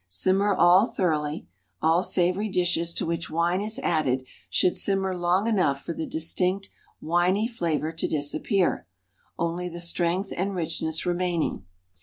Simmer all thoroughly (all savory dishes to which wine is added should simmer long enough for the distinct "winey" flavor to disappear, only the strength and richness remaining).